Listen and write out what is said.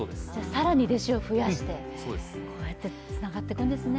更に弟子を増やして、こうやってつながっていくんですね。